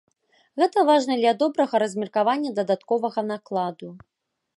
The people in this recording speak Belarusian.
Гэта важна для добрага размеркавання дадатковага накладу.